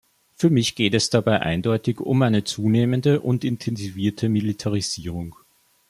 Für mich geht es dabei eindeutig um eine zunehmende und intensivierte Militarisierung.